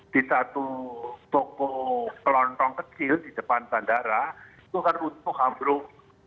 di satu toko kelontong kecil di depan bandara itu kan runtuh ambruk